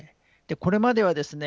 これまではですね